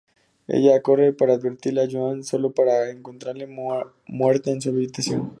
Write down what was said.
Ella corre para advertirle a Joanne, solo para encontrarla muerta en su habitación.